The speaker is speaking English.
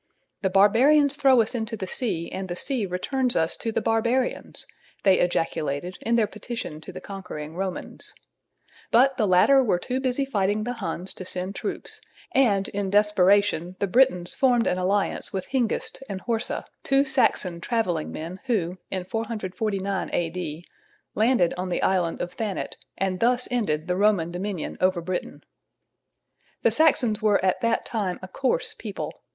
"The barbarians throw us into the sea and the sea returns us to the barbarians," they ejaculated in their petition to the conquering Romans. But the latter were too busy fighting the Huns to send troops, and in desperation the Britons formed an alliance with Hengist and Horsa, two Saxon travelling men who, in 449 A.D., landed on the island of Thanet, and thus ended the Roman dominion over Britain. [Illustration: LANDING OF HENGIST AND HORSA.] The Saxons were at that time a coarse people.